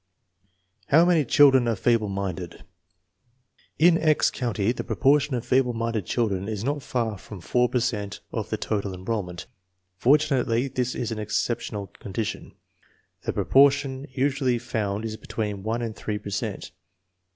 How many children are feeble minded ? In " X " County the proportion of feeble minded children is not far from four per cent of the total enrollment. Fortunately this is an exceptional condition. The proportion usually found is between one and three per cent.